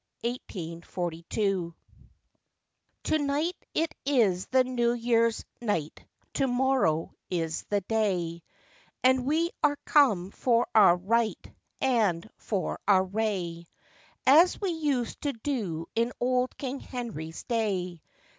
1842.] TO NIGHT it is the New year's night, to morrow is the day, And we are come for our right, and for our ray, As we used to do in old King Henry's day.